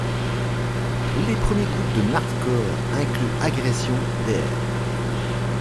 Les premiers groupes de nardcore incluent Agression, Dr.